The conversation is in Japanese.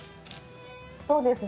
そうですね。